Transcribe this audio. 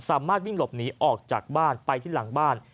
สามารถวิ่งหลบหนีออกจากบ้านไปที่หลังบ้าน